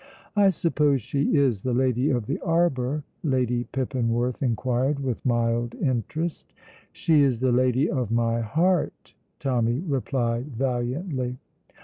"I suppose she is the lady of the arbour?" Lady Pippinworth inquired, with mild interest. "She is the lady of my heart," Tommy replied valiantly.